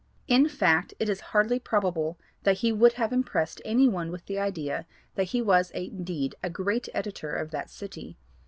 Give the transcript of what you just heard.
In fact it is hardly probable that he would have impressed any one with the idea that he was indeed a great editor of that city.